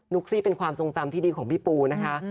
ซี่เป็นความทรงจำที่ดีของพี่ปูนะคะ